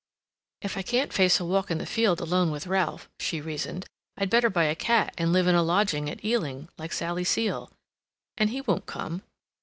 "If I can't face a walk in a field alone with Ralph," she reasoned, "I'd better buy a cat and live in a lodging at Ealing, like Sally Seal—and he won't come.